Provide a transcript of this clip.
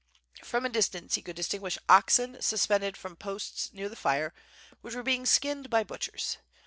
From a dis tance he could distinguish oxen suspended from posts near the fire, which were being skinned by butchers.